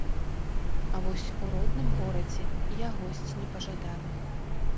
А вось у родным горадзе я госць непажаданы.